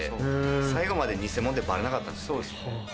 最後まで偽物ってバレなかったですね。